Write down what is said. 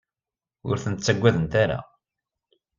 Ur tent-ttagadent ara.